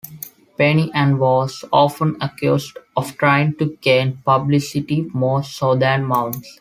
Penny Ann was often accused of trying to gain publicity more so than mounts.